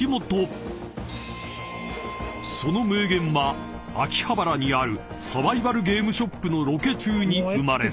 ［その名言は秋葉原にあるサバイバルゲームショップのロケ中に生まれた］